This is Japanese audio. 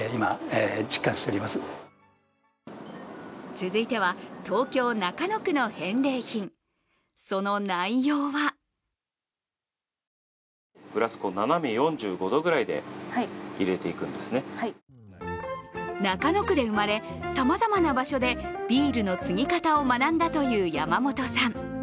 続いては東京・中野区の返礼品、その内容は中野区で生まれ、さまざまな場所でビールのつぎ方を学んだという山本さん。